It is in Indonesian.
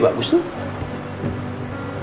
bukan itu itu apa